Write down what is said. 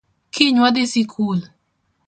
Kiny wadhii sikul